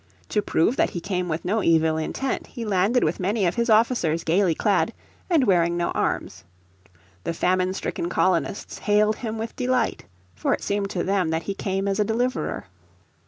To prove that he came with no evil intent he landed with many of his officers gaily clad, and wearing no arms. The famine stricken colonists hailed him with delight, for it seemed to them that he came as a deliverer.